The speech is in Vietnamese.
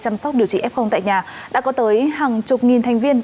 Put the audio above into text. chăm sóc điều trị f tại nhà đã có tới hàng chục nghìn thành viên